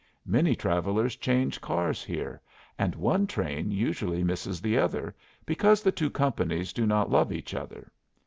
Many travellers change cars here, and one train usually misses the other, because the two companies do not love each other.